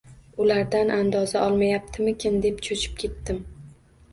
Ulardan andoza olmayaptimikan, deb cho‘chib ketdim.